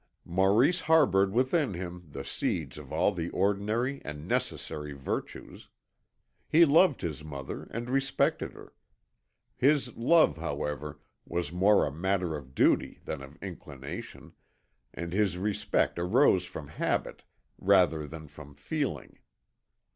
Maurice harboured within him the seeds of all the ordinary and necessary virtues. He loved his mother and respected her. His love, however, was more a matter of duty than of inclination, and his respect arose from habit rather than from feeling.